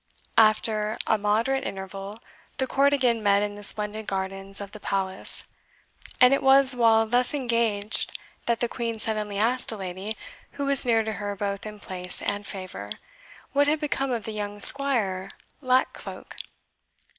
After a moderate interval, the court again met in the splendid gardens of the Palace; and it was while thus engaged that the Queen suddenly asked a lady, who was near to her both in place and favour, what had become of the young Squire Lack Cloak.